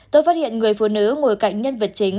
tôi phát hiện người phụ nữ ngồi cạnh nhân vật chính